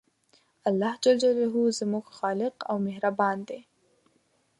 الله ج زموږ خالق او مهربان دی